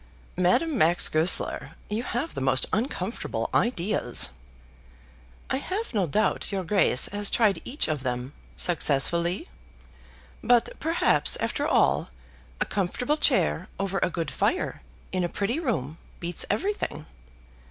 "Madame Max Goesler, you have the most uncomfortable ideas." "I have no doubt your Grace has tried each of them, successfully. But perhaps, after all, a comfortable chair over a good fire, in a pretty room, beats everything."